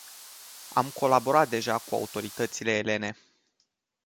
Am colaborat deja cu autoritățile elene.